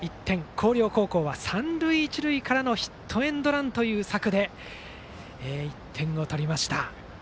広陵高校は三塁一塁からのヒットエンドランで１点を取りました。